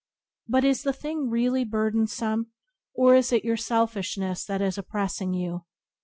But is the thing really burdensome, or is it your selfishness that is oppressing you?